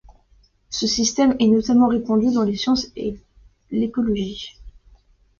Ce système est notamment répandu dans les sciences de l’écologie.